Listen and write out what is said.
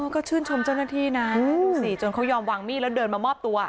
ก็ชื่นชมเจ้าหน้าที่นะดูสิจนเขายอมวางมีดแล้วเดินมามอบตัว